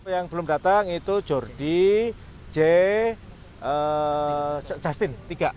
yang belum datang itu jordi jai justin